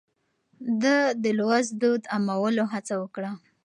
ده د لوست دود عامولو هڅه وکړه.